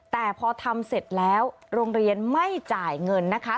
แต่พอทำเสร็จแล้วโรงเรียนไม่จ่ายเงินนะคะ